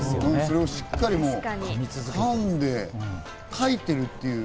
それをしっかり噛んで書いてる。